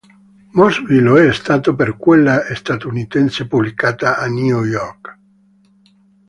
Mosby lo è stato per quella statunitense, pubblicata a New York.